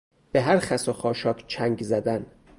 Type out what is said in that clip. به هر خس و خاشاک چنگ زدن